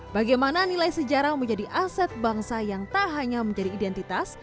bagaimana nilai sejarah menjadi aset bangsa yang tak hanya menjadi identitas